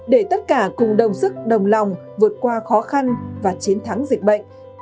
để tất cả cùng đồng sức đồng lòng vượt qua khó khăn và chiến thắng dịch bệnh